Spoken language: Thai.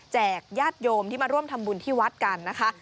ญาติโยมที่มาร่วมทำบุญที่วัดกันนะคะ